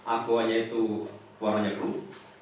aku hanya itu warnanya keruh